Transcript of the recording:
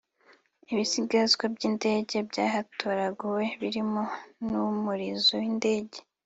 Ibisigazwa by’indege byahatoraguwe birimo n’umurizo w’indege